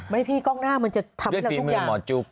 ไม่พี่กล้องหน้ามันจะทำทุกอย่างด้วยฟีมือหมอจุ๊บ